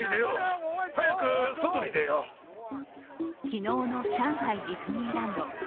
昨日の上海ディズニーランド。